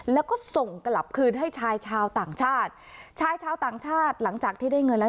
แล้วก็ส่งกลับคืนให้ชายชาวต่างชาติชายชาวต่างชาติหลังจากที่ได้เงินแล้ว